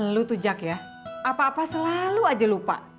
lu tujak ya apa apa selalu aja lupa